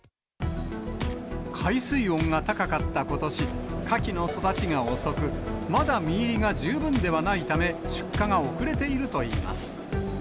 海水温が高かったことし、カキの育ちが遅く、まだ身入りが十分ではないため、出荷が遅れているといいます。